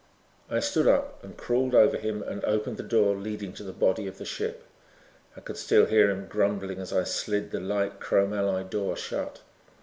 I stood up and crawled over him and opened the door leading to the body of the ship. I could still hear him grumbling as I slid the light chrome alloy door shut.